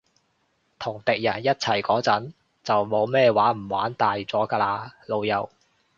同敵人一齊嗰陣，就冇咩玩唔玩大咗㗎喇，老友